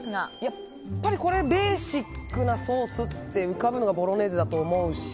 やっぱりこれはベーシックなソースって浮かぶのはボロネーゼだと思うし